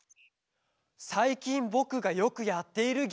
さいきんぼくがよくやっているギャグ